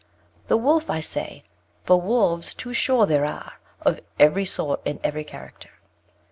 The Wolf, I say, for Wolves too sure there are Of every sort, and every character.